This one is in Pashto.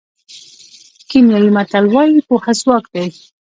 کینیايي متل وایي پوهه ځواک دی.